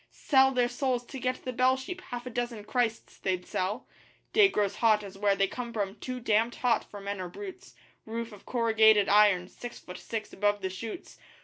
Sell their souls to get the bell sheep half a dozen Christs they'd sell! Day grows hot as where they come from too damned hot for men or brutes; Roof of corrugated iron, six foot six above the shoots!